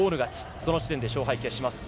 その時点で勝敗が決します。